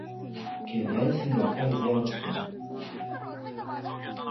کېدای سي ملاتړ زیات سي.